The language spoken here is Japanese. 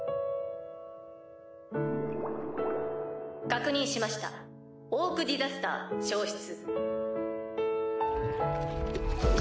確認しましたオーク・ディザスター消失。